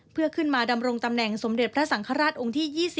เพื่อขึ้นมาดำรงตำแหน่งสมเด็จพระสังฆราชองค์ที่๒๐